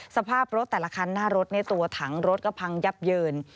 สภาพรถแต่ละคันหน้ารถตัวถังรถก็พังยับเยิน